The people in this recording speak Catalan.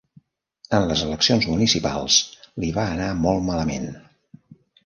En les eleccions municipals li va anar molt malament.